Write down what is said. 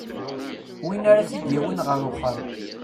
Win ara t-id-yawin ɣer uxxam.